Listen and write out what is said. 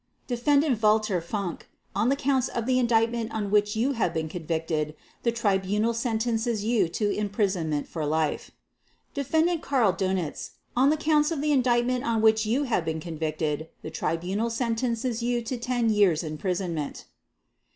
"Defendant Walter Funk, on the Counts of the Indictment on which you have been convicted, the Tribunal sentences you to imprisonment for life. "Defendant Karl Dönitz, on the Counts of the Indictment on which you have been convicted, the Tribunal sentences you to 10 years' imprisonment.